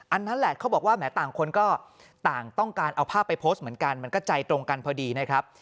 นั่นแหละเขาบอกว่าแหมต่างคนก็ต่างต้องการเอาภาพไปโพสต์เหมือนกันมันก็ใจตรงกันพอดีนะครับ